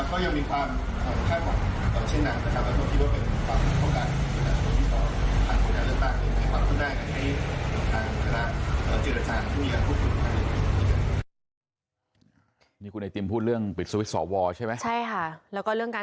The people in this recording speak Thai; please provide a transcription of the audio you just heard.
ก็ยังมีความค่าของเช่นนั้นก็ถามกันว่าที่ว่าเป็นความคุ้มข้องกัน